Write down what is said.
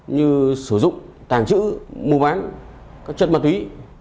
như sử dụng tàng trữ mua bán các chất ma túy